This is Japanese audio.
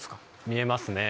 見えますね。